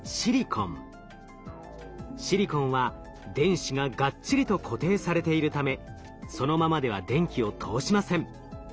シリコンは電子ががっちりと固定されているためそのままでは電気を通しません。